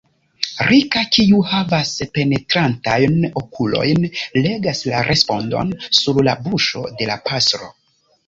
Rika, kiu havas penetrantajn okulojn, legas la respondon sur la buŝo de la pastro.